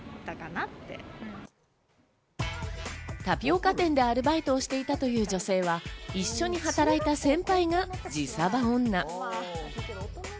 タピオカ店でアルバイトをしていたという女性は一緒に働いた先輩が自サバ女。